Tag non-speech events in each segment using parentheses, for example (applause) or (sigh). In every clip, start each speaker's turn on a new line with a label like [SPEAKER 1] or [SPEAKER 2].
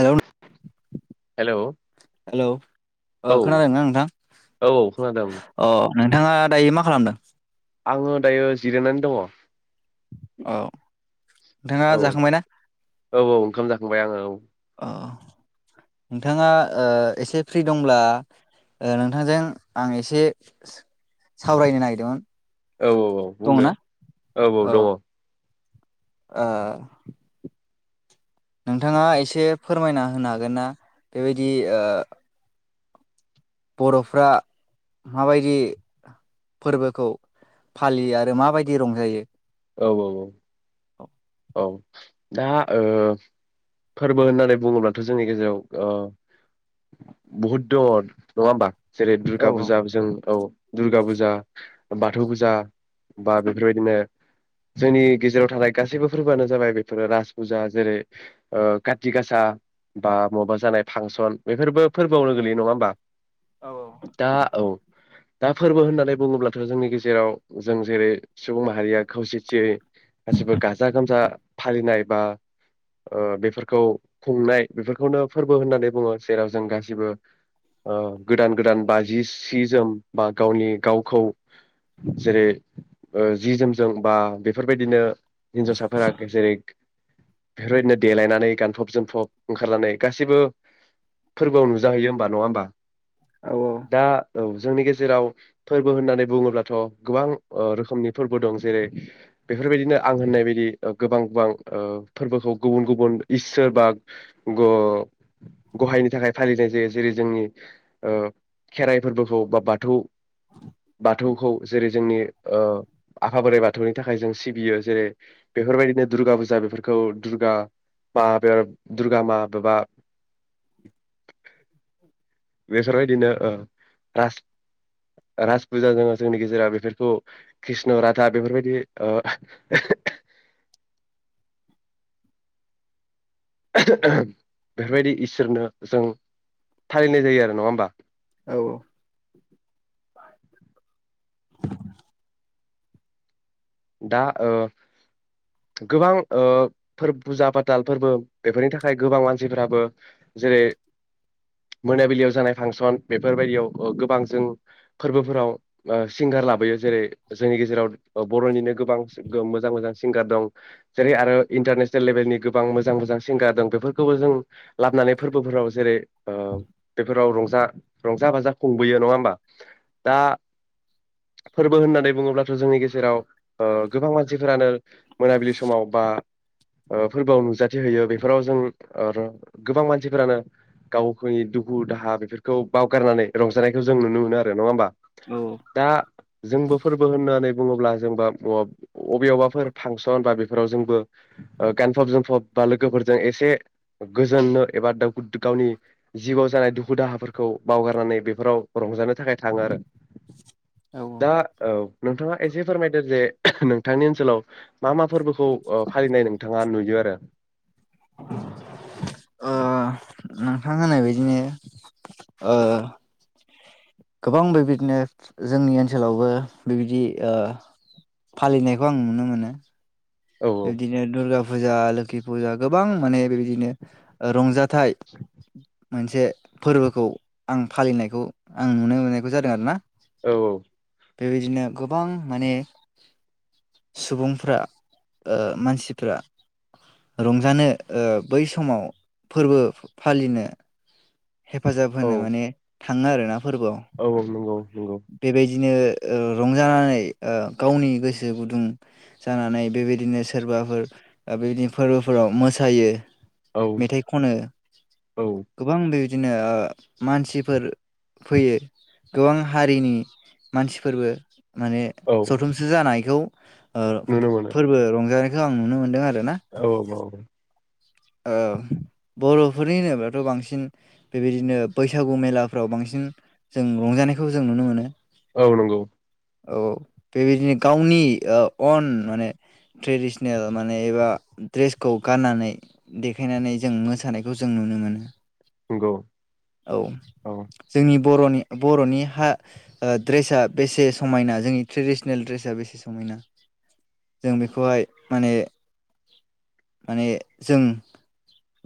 [SPEAKER 1] Hello
[SPEAKER 2] hello
[SPEAKER 1] hello
[SPEAKER 2] औ
[SPEAKER 1] खोनादों ना नोंथां
[SPEAKER 2] औ औ खोनादों
[SPEAKER 1] अ नोंथाङा दायो मा खालामदों?
[SPEAKER 2] आङो दायो जिरायनानै दङ
[SPEAKER 1] औ नोंथाङा जाखांबाय ना
[SPEAKER 2] बाय आङो औ
[SPEAKER 1] नोंथाङा एसे फ्रि दंब्ला नोंथांजों आं एसे सावरायनो नागिरदोंमोन
[SPEAKER 2] औ औ औ बुंदो
[SPEAKER 1] दङना
[SPEAKER 2] औ औ दङ
[SPEAKER 1] ओ नोंथाङा एसे फोरमायना होनो हागोन ना बेबायदि बर'फ्रा माबायदि फोरबोखौ फालियो आरो माबायदि रंजायो
[SPEAKER 2] औ औ औ
[SPEAKER 1] औ
[SPEAKER 2] औ दा फोरबो होननानै बुङोब्लाथ' जोंनि गेजेराव बुहुद दङ नङा होमबा जेरै
[SPEAKER 1] औ
[SPEAKER 2] दुर्गा फुजा जों औ दुर्गा फुजा बाथौ फुजा बा बेफोरबायदिनो जोंनि गेजेराव थानाय गासैबो फोरबोआनो जाबाय बेफोरो जाबाय राज फुजा जेरै काथि गासा बा माबा जानाय फांसन बेफोरबो फोरबोआवनो गोलैयो नङा होमबा
[SPEAKER 1] औ
[SPEAKER 2] होमबा दा औ दा फोरबो होननानै बुङोब्लाथ' जोंनि गेजेराव जों जेरै सुबुं माहारिया खौसेथियै गासिबो खाजा गोमजा फालिनाय बा ओ बेफोरखौ खुंनाय बेफोरखौनो फोरबो होननानै बुङो जेराव जों गासिबो ओ गोदान गोदान बा जि सि जोम बा गावनि गावखौ जेरै ओ जि जोम जों बा बेफोर बायदिनो हिन्जावसाफोरा जेरै बेफोरबायदिनो देलायनानै गानफब जोमफब ओंखारनानै गासैबो फोरबोआव नुजाहैयो होमबा नङा होमबा
[SPEAKER 1] औ औ
[SPEAKER 2] दा औ जोंनि गेजेराव फोरबो होननानै बुङोब्लाथ गोबां ओ रोखोमनि फोरबो दं जेरै बेफोरबायदिनो आं होननाय बायदि गोबां गोबां ओ फोरबोखौ गुबुन गुबुन इसोर बा गहायनि थाखाय फालिनाय जायो जेरै जोंनि ओ खेराइ फोरबोखौ बा बाथौ बाथौखौ जेरै जोंनि ओ आफा बोराइ बाथौनि थाखाय जों सिबियो जेरै बेफोरबायदिनो दुर्गा फुजा बेफोरखौ दुर्गा मा बे दुर्गा मा एबा
[SPEAKER 1] (inaudible)
[SPEAKER 2] बेफोरबायदिनो ओ राज राज फुजा जोङो जोंनि गेजेराव बेफोरखौ कृष्ण राधा बेफोरबायदि बेफोरबायदि इसोरनो जों फालिनाय जायो आरो नङा होमबा
[SPEAKER 1] औ औ
[SPEAKER 2] दा ओ गोबां ओ फुजा फाथाल फोरबो बेफोरनि थाखाय गोबां मानसिफ्राबो जेरै मोनाबिलियाव जानाय फांसन बेफोरबायदियाव ओ गोबां जों फोरबोफोराव ओ सिंगार लाबोयो जेरै जोंनि गेजेराव बरनिनो गोबां मोजां मोजां सिंगार दं जेरै आरो इन्टारनेसनेल लेभेलनि गोबां मोजां मोजां सिंगार दं बेफोरखौबो जों लाबोनानै फोरबोफोराव जेरै ओ बेफोराव रंजा रंजा बाजा खुंबोयो नङा होमबा दा फोरबो होननानै बुङोब्लाथ जोंनि गेजेराव ओ गोबां मानसिफोरानो मोनाबिलि समाव बा ओ फोरबोआव नुजाथिहयो बेफोराव जों ओ गोबां मानसिफोरानो गावनि दुखु दाहा बेफोरखौ बावगारनानै रंजानायखौ जों नुनो मोनो आरो नङा होमबा दा जोंबो फोरबो होननानै बुङोब्ला जोंबो अबेवबाफोर फांसन बा बेफोराव जोंबो ओ गानफब जोमफब बा लोगोफोरजों एसे गोजोननो एबा गावनि जिउआव जानाय दुखु दाहाफोरखौ बावगारनानै बेफोराव रंजानो थाखाय थाङो आरो।
[SPEAKER 1] औ
[SPEAKER 2] दा औ नोंथाङा एसे फोरमायदो जे नोंथांनि ओनसोलाव मा मा फोरबोखौ ओ फालिनाय नोंथाङा नुयो आरो?
[SPEAKER 1] ओ नोंथां होननाय बिदिनो ओ गोबां बेबायदिनो जोंनि ओनसोलावबो बेबायदि ओ फालिनायखौ आं नुनो मोनो।
[SPEAKER 2] औ
[SPEAKER 1] बेदिनो दुर्गाजा फुजा लोखि फुजा गोबां माने बिदिनो ओ रंजाथाइ मोनसे फोरबोखौ आं फालिनायखौ आं नुनो मोननायखौ जादों आरो ना?
[SPEAKER 2] औ औ
[SPEAKER 1] बेबायदिनो गोबां माने सुबुंफ्रा ओ मानसिफ्रा रंजानो ओ बै समाव फोरबो फालिनो हेफाजाब
[SPEAKER 2] औ
[SPEAKER 1] होनो माने थांङो आरो ना।
[SPEAKER 2] औ औ नंगौ। नंगौ
[SPEAKER 1] बेेबाय बिदिनो ओ रंजानानै ओ गावनि गोसो गुदुं जानानै बेबायदिनो सोरबाफोर ओ बेबायदिनो फोरबोफोराव मोसायो।
[SPEAKER 2] औ
[SPEAKER 1] मेथाइ खनो
[SPEAKER 2] औ
[SPEAKER 1] गोबां बे बिदिनो ओ मानसिफोर फैयो गोबां हारिनि मानसिफोरबो माने
[SPEAKER 2] औ
[SPEAKER 1] जथुमसो जानाय औ। आर'
[SPEAKER 2] नुनो मोनो
[SPEAKER 1] फोरबो रंजानाय खो आं नुनो मोनदों आरो
[SPEAKER 2] औ औ।
[SPEAKER 1] ओ बर'फोरनि होनोब्लाथ' बांसिन बेबायदिनो बैसागु मेलाफ्राव बांसिन जों रंजानायखौ जों नुनो मोनो।
[SPEAKER 2] औ नंगौ।
[SPEAKER 1] औ बेबायदिनो गावनि ओ अन माने ट्रेडिसनेल माने एबा ड्रेसखौ गाननानै। देखायनानै जों मोसानायखौ जों नुनो मोनो।
[SPEAKER 2] नंगौ औ
[SPEAKER 1] (inaudible) बर'नि हा ओ ड्रेसा बेसे समायना जोंनि ट्रेडिसनेल ड्रेसा बेसे समायना जों बेखौहाय माने माने जों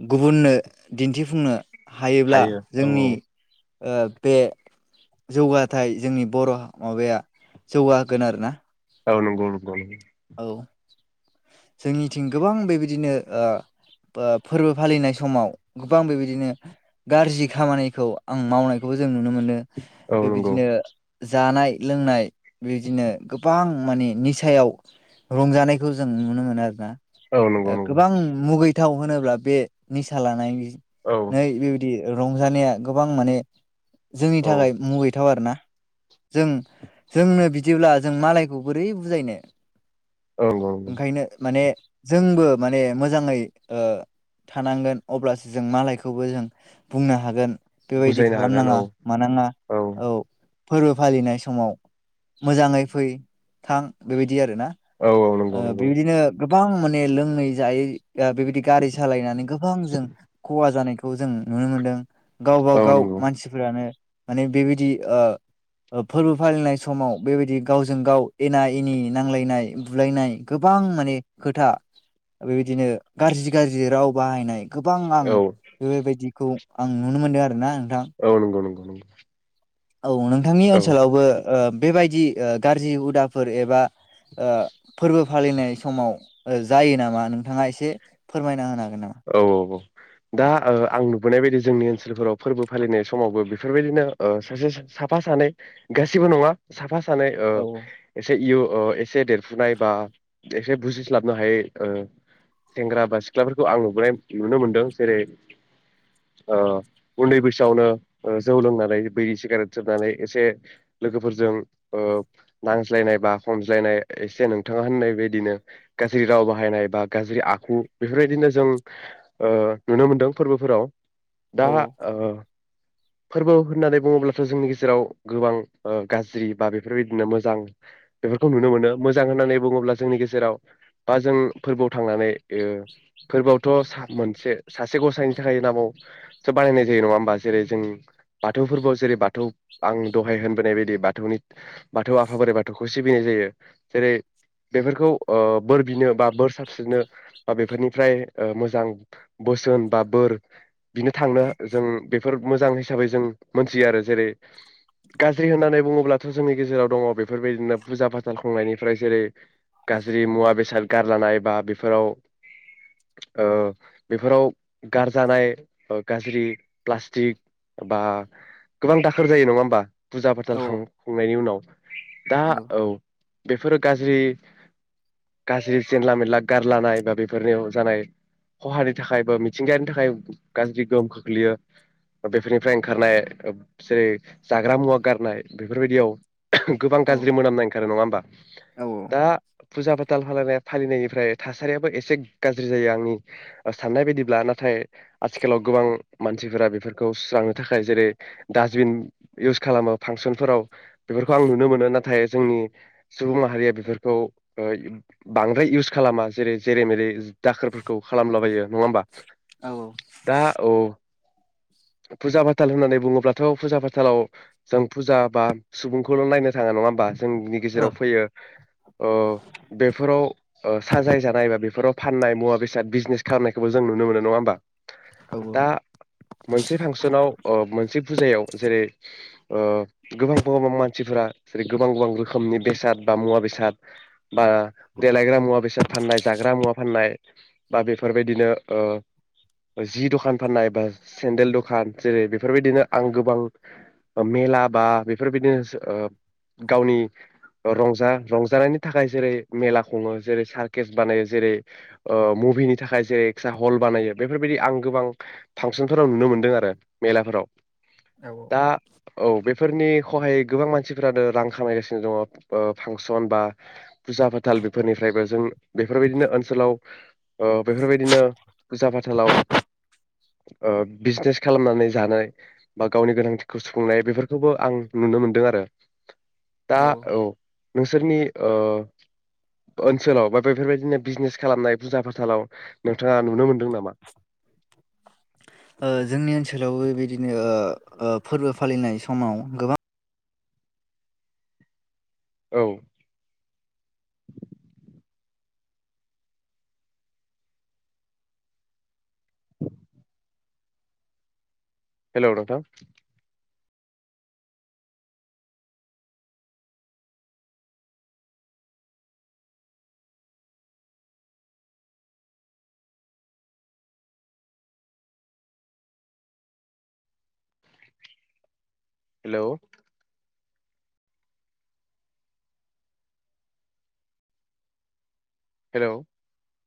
[SPEAKER 1] गुबुननो दिन्थिफुंनो। हायोब्ला
[SPEAKER 2] हायो औ औ
[SPEAKER 1] जोंनि ओ बे जौगाथाय जोंनि बर'ह माबाया जौगाहोगोन आरोना।
[SPEAKER 2] औ नंगौ नंगौ नंगौ।
[SPEAKER 1] औ। जोंनिथिं गोबां बेबायदिनो ओ ओ फोरबो फालिनाय समाव गोबां बेबायदिनो गारजि खामानिखौ आं मावनायखौबो जों नुनो मोनो।
[SPEAKER 2] औ नंगौ
[SPEAKER 1] बेबायदिनो। जानाय लोंनाय बिदिनो गोबां माने निसायाव रंजानायखौ जों। नुनो आरो ना।
[SPEAKER 2] औ नंगौ
[SPEAKER 1] ओ
[SPEAKER 2] नंगौ
[SPEAKER 1] गोबां मुगैद। गोथाव होनोब्ला बे निसा लानायनिज।
[SPEAKER 2] औ
[SPEAKER 1] नै बेबिद बिदि रंजानाया गोबां माने। जोंनि
[SPEAKER 2] औ
[SPEAKER 1] थाखाय मुगैथाव आरो ना। जों जोंनो बिदिब्ला जों मालायखौ बोरै बुजायनो।
[SPEAKER 2] औ नंगौ नंगौ
[SPEAKER 1] ओंखायनो माने। जोंबो माने मोजाङै ओ थानांगोन अब्लासो जों मालायखौबो जों बुंनो हागोन। बेबायदि
[SPEAKER 2] बुजायनो
[SPEAKER 1] खालाम
[SPEAKER 2] हागोन औ
[SPEAKER 1] नाङा मानोना औ। फोरबो फालिनाय समाव मोजाङै फै थां बेबायदि आरोना।
[SPEAKER 2] औ औ
[SPEAKER 1] ओ
[SPEAKER 2] नंगौ नंगौ।
[SPEAKER 1] बेबायदिनो गोबां माने लोङै जायै ओ बेबायदि गारि सालायनानै गोबां जों खहा जानायखौ जों नुनो मोन्दों। गावबा
[SPEAKER 2] औ
[SPEAKER 1] गाव
[SPEAKER 2] नंगौ
[SPEAKER 1] मानसिफोरानो। माने बेबायदि ओ ओ फोरबो फालिनाय समाव बेबायदि गावजों गाव एना एनि नांलायनाय बुलायनाय। गोबां माने खोथा बेबायदिनो गारजि गारजि राव बाहायनाय। गोबां आं
[SPEAKER 2] औ
[SPEAKER 1] बेबायदिखौ। आं नुनो मोनदो आरो ना।
[SPEAKER 2] औ नंगौ नंगौ (inaudible)
[SPEAKER 1] औ नोंथांनि
[SPEAKER 2] औ
[SPEAKER 1] ओनसोलावबो ओ बेबायदि गाज्रि हुदाफोर एबा ओ फोरबो फालिनाय समाव जायो नामा नोंथाङा एसे फोरमायना होना
[SPEAKER 2] औ औ औ दा आं आं नोनाय बायदि जोंनि ओनसोलफोराव फोरबो फालिनाय समावबो बेफोरबायदिनो ओ सासे साफा सानै गासिबो नङा साफा सानै ओ
[SPEAKER 1] औ
[SPEAKER 2] एसे इय ओ एसे देरफुनाय बा एसे बुजिस्लाबनो हायै ओ सेंग्रा बा सिख्ला आं न नुनो मोनदों जेरै ओ उन्दै बैसोआवनो जौ लोंनानै बिरि सिगारेट सोबनानै एसे लोगोफोरजों ओ नांज्लायनाय बा हमज्लायनाय एसे नोंथाङा होननाय बायदिनो गाज्रि राव बाहायनाय बा गाज्रि आखु बेफोरबायदिनो जों ओ नुनो मोनदों फोरबोफोराव दा
[SPEAKER 1] औ
[SPEAKER 2] ओ फोरबो होननानै बुङोब्लाथ' जोंनि गेजेराव गोबां ओ गाज्रि बा बेफोरबायदिनो मोजां बेफोरखौ नुनो मोनो। मोजां होननानै बुङोब्ला जोंनि गेजेराव दा जों फोरबोआव थांनानै ओ फोरबोआवथ' मोनसे सासे गसायनि थाखाय नामावसो बानायनाय जायो नङा होमबा जेरै जों बाथौ फोरबोआव जेरै बाथौ आं दहाय होनबोनाय बायदि बाथौनि बाथौ आफा बोराइ बाथौखौ सिबिनाय जायो जेरै बेफोरखौ ओ बोर बिनो बा बोर साबस्रिनो बा बेफोरनिफ्राय ओ मोजां बोसोन बा बोर बिनो थांनो जों बेफोर मोजां हिसाबै जों मोनथियो आरो जेरै गाज्रि होननानै बुङोब्लाथ' जोंनि गेजेराव दङ बेफोरबायदिनो फुजा फाथाल खुंनायनिफ्राय जेरै गाज्रि मुवा बेसाद गारलानाय बा बेफोराव ओ बेफोराव गारजानाय गाज्रि प्लास्टिक बा गोबां दाखोर जायो नङा होमबा फुजा
[SPEAKER 1] औ
[SPEAKER 2] फाथाल खां खुंनायनि उनाव दा औ बेफोरो गाज्रि गाज्रि जेनला मेनला गारलानाय बा बेफोरनि जानाय खहानि थाखाय बा मिथिंगायानि थाखाय गाज्रि गोहोम खोख्लैयो बेफोरनिफ्राय ओंखारनाय जेरै जाग्रा मुवा गारनाय बेफोरबायदियाव गोबां
[SPEAKER 1] औ
[SPEAKER 2] गाज्रि मोनामनाय ओंखारो नङा होमबा
[SPEAKER 1] औ
[SPEAKER 2] दा फुजा फाथाल फालिनाय फालिनायनिफ्राय थासारियाबो एसे गाज्रि जायो आंनि साननाय बायदिब्ला नाथाय आथिखालाव गोबां मानसिफोरा बेफोर खौ सुस्रांनो थाखाय जेरै डास्टबिन इउस खालामो फांसनफोराव बेफोरखौ आं नुनो मोनो नाथाय जोंनि सुबुं माहारिया बेफोरखौ ओ बांद्राय इउस खालामा जेरै जेरै मेरै दाखोरफोरखौ खालामलाबायो नङा होमबा
[SPEAKER 1] औ
[SPEAKER 2] दा औ फुजा फाथाल होननानै बुङोब्लाथ' फुजा फाथालाव जों फुजा बा सुबुंखौल' नायनो थाङा नङा होमबा जोंनि गेजेराव फैयो ओ बेफोराव ओ साजाय जानायबा बेफोराव फाननाय मुवा बेसाद बिजनेसनायखौबो जों नुनो मोनो नङा होमबा
[SPEAKER 1] औ औ
[SPEAKER 2] दा मोनसे फांसनाव ओ मोनसे फुजायाव जेरै ओ गोबां गोबां मानसिफोरा जेरै गोबां गोबां रोखोमनि बेसाद बा मुवा बेसाद बा देलायग्रा मुवा बेसाद फाननाय जाग्रा मुवा फाननाय बा बेफोरबायदिनो ओ जि दखान फाननाय बा सेनडेल दखान जेरै बेफोरबायदिनो आं गोबां मेला बा बेफोरबायदिनो ओ गावनि रंजा रंजानायनि थाखाय जेरै मेला खुङो जेरै सार्केस बानायो जेरै ओ मुभिनि थाखाय जेरै एक्स्रा हल बानायो बेफोरबायदि आं गोबां फांसनफोराव नुनो मोनदों आरो मेलाफोराव
[SPEAKER 1] औ
[SPEAKER 2] दा औ बे फोरनि खहायै गोबां मानसिफोरानो रां खामायगासिनो दङ फांसन बा फुजा फाथाल बेफोरनिफ्रायबो जों बेफोरबायदिनो ओनसोलाव अ बेफोरबायदिनो फुजा फाथालाव ओ बिजनेस खालामनानै जानाय बा गावनि गोनांथिखौ सुफुंनाय बेफोरखौबो आं नुनो मोनदों आरो दा औ नोंसोरनि ओ ओनसोलाव बा बेफोरबायदिनो बिजनेस खालामनाय फुजा फथालाव नोंथाङा नुनो मोन दों नामा?
[SPEAKER 1] ओ जोंनि ओनसोलावबो बेबायदिनो ओ फोरबो फालिनाय समाव गोबां
[SPEAKER 2] औ (inaudible) हेल' नोंथां हेल' हेल'